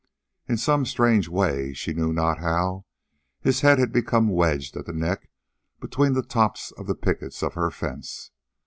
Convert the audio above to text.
In some strange way, she knew not how, his head had become wedged at the neck between the tops of the pickets of her fence.